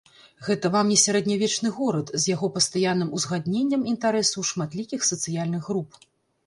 Гэта вам не сярэднявечны горад з яго пастаянным узгадненнем інтарэсаў шматлікіх сацыяльных груп.